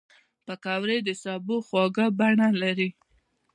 پکورې د سبو خواږه بڼه لري